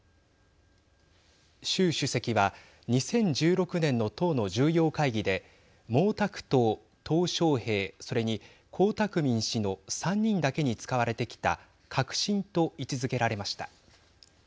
習主席は２０１６年の党の重要会議で毛沢東、トウ小平それに江沢民氏の３人だけに使われてきた核心と位置づけられました。